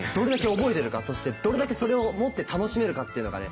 そしてどれだけそれをもって楽しめるかっていうのがね